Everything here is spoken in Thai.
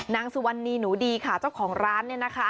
นางสุวรรณีหนูดีค่ะเจ้าของร้านเนี่ยนะคะ